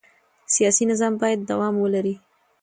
سیاسي نظام باید دوام ولري